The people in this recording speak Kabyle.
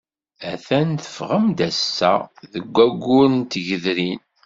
Atan teffɣem-d ass-a deg waggur n tgedrin.